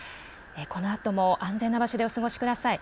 このあとも安全な場所でお過ごしください。